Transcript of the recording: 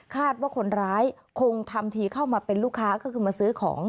ว่าคนร้ายคงทำทีเข้ามาเป็นลูกค้าก็คือมาซื้อของ